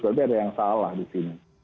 berarti ada yang salah di sini